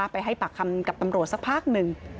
ไปให้ปากคำกับตำรวจสักพักหนึ่ง